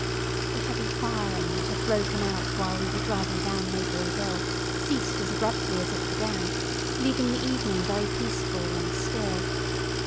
The heavy firing that had broken out while we were driving down Maybury Hill ceased as abruptly as it began, leaving the evening very peaceful and still.